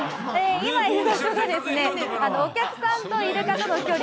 今いる場所がお客さんとイルカとの距離